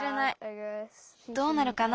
どうなるかな。